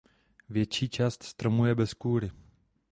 Větší část stromu je bez kůry.